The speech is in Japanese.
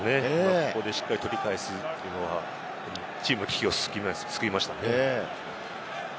ここでしっかり取り返すのはチームを救いましたね。